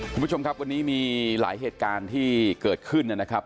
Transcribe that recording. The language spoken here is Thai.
คุณผู้ชมครับวันนี้มีหลายเหตุการณ์ที่เกิดขึ้นนะครับ